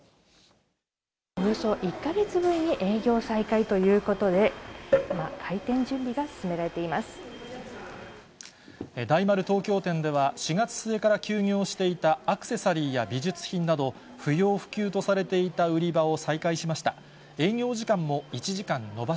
およそ１か月ぶりに営業再開ということで、今、大丸東京店では、４月末から休業していたアクセサリーや美術品など、不要不急とされていた売り場を再開しました。